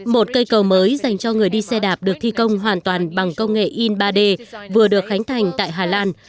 một cây cầu mới dành cho người đi xe đạp được thi công hoàn toàn bằng công nghệ in ba d vừa được khánh thành tại hà lan